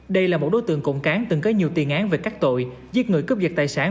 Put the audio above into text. đây là một đối tượng cộng cán từng có nhiều tiền án về các tội giết người cướp giật tài sản